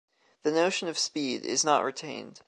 The notion of speed is not retained.